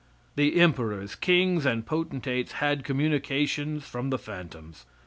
The emperors, king and potentates had communications from the phantoms.